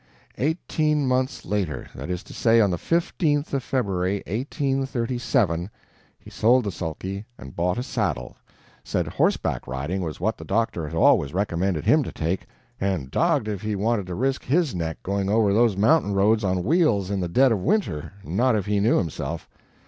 "Eighteen months later that is to say, on the 15th of February, 1837 he sold the sulky and bought a saddle said horseback riding was what the doctor had always recommended HIM to take, and dog'd if he wanted to risk HIS neck going over those mountain roads on wheels in the dead of winter, not if he knew himself.